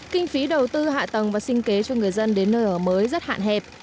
kinh phí đầu tư hạ tầng và sinh kế cho người dân đến nơi ở mới rất hạn hẹp